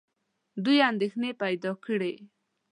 دوی اندېښنې پیدا کړې.